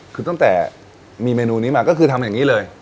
คือตั้งแต่มีเมนูนี้มาก็คือทำอย่างนี้เลย